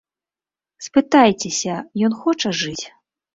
Спытайцеся, ён хоча жыць?